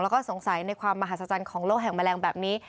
แล้วก็สงสัยในความมหัศจรรย์ของโลกแห่งแมลงแบบนี้